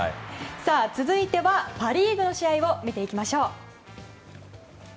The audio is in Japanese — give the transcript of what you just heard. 続いてはパ・リーグの試合を見ていきましょう。